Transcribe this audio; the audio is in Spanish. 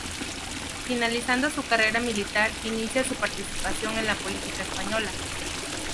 Finalizando su carrera militar inicia su participación en la política española.